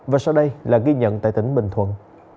và sau đây là ghi nhận tại tỉnh bình thuận